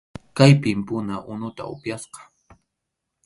Kaypim puna unuta upyasqa.